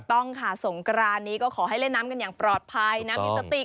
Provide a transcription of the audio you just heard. ต้องค่ะสงกรานนี้ก็ขอให้เล่นน้ำกันอย่างปลอดภัยนะมีสติ